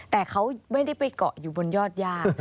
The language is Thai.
แต่เขาไม่ได้ไปเกาะอยู่บนยอดย่า